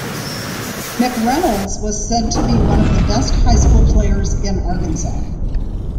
McReynolds was said to be one of the best high school players in Arkansas.